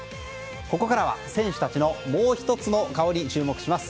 ここからは、選手たちのもう１つの顔に注目します。